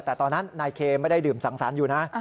แต่ตอนนั้นนายเคไม่ได้ดื่มสังสรรค์อยู่นะ